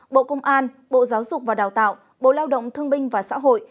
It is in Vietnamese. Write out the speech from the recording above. bộ công an bộ giáo dục và đào tạo bộ lao động thương binh và xã hội